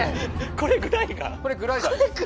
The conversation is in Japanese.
これグライガーです。